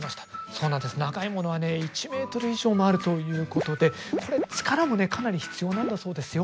そうなんです長いものはね１ｍ以上もあるということでこれ力もねかなり必要なんだそうですよ。